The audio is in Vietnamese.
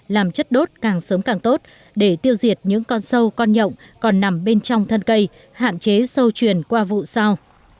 làm chất đốt càng sớm càng tốt để tiêu diệt những con sâu con nhộng còn nằm bên trong thân cây hạn chế sâu truyền qua vụ sau